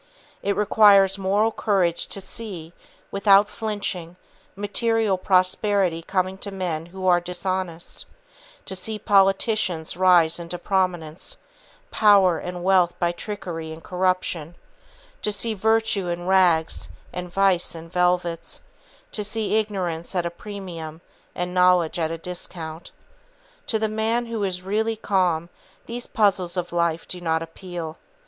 It requires moral courage to see, without flinching, material prosperity coming to men who are dishonest; to see politicians rise into prominence, power and wealth by trickery and corruption; to see virtue in rags and vice in velvets; to see ignorance at a premium, and knowledge at a discount. To the man who is really calm these puzzles of life do not appeal.